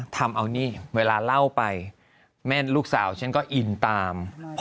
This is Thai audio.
ทำเอานี่เวลาเล่าไปแม่นลูกสาวฉันก็อินตาม